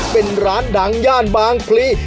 เป็นร้านดังย่านบางพลี